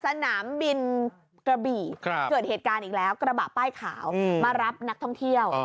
สนามบินกระบี่เกิดเหตุการณ์อีกแล้วกระบะป้ายขาวมารับนักท่องเที่ยว